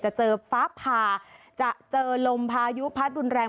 จะเจอฟ้าผ่าจะเจอลมพายุพัดรุนแรง